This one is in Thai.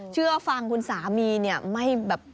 เชื่อฟังคุณสามีเนี่ยไม่แบบ